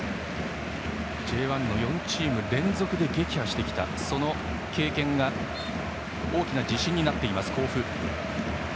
Ｊ１の４チームを連続で撃破してきた、その経験が大きな自信になっている甲府。